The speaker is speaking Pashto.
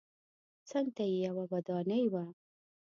څنګ ته یې یوه ودانۍ وه.